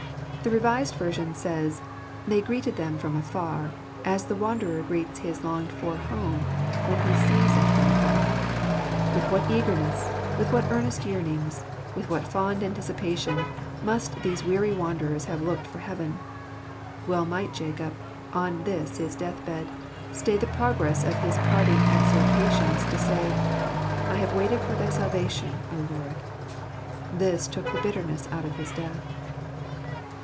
The Revised Version says, " They greeted them from afar," as the wanderer greets his longed for home, when he sees it from afar. With what eagerness, with what earnest yearnings, with what fond anticipation, must these weary wanderers have looked for heaven ! Well might Jacob, on this his death bed, stay the progress of his parting exhor tations to say, " I have waited for thy salvation, O Lord." This took the bitterness out of his death.